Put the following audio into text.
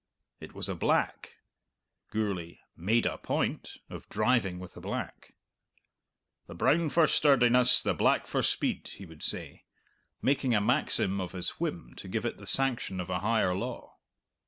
It was a black Gourlay "made a point" of driving with a black. "The brown for sturdiness, the black for speed," he would say, making a maxim of his whim to give it the sanction of a higher law.